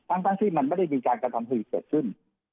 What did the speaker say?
ทั้งที่มันไม่ได้มีการกระทำผิดเกิดขึ้น